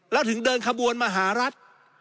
แล้วถึงเดินขบวนมาหารัฐ